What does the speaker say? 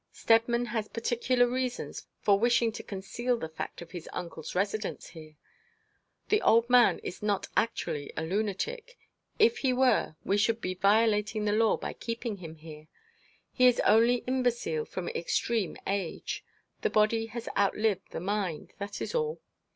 Steadman has particular reasons for wishing to conceal the fact of his uncle's residence here. The old man is not actually a lunatic. If he were we should be violating the law by keeping him here. He is only imbecile from extreme old age; the body has outlived the mind, that is all.